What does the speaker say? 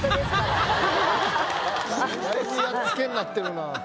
だいぶやっつけになってるなぁ。